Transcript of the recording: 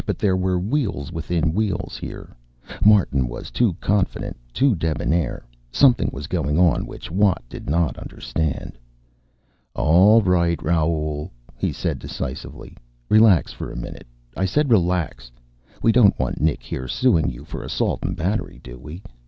But there were wheels within wheels here. Martin was too confident, too debonaire. Something was going on which Watt did not understand. "All right, Raoul," he said decisively. "Relax for a minute. I said relax! We don't want Nick here suing you for assault and battery, do we?